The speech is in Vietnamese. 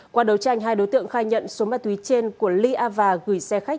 qua đấu tranh hai đối tượng khai nhận số ma túy trên của ly a và gửi xe khách